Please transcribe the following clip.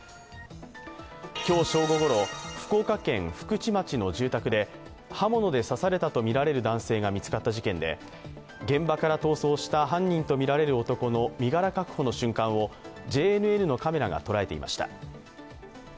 今日正午ごろ、福岡県福智町の住宅で刃物で刺されたとみられる男性が見つかった事件で、現場から逃走した犯人とみられる男の身柄確保の瞬間をＪＮＮのカメラが捉えていました。